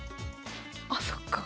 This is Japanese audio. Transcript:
あそっか。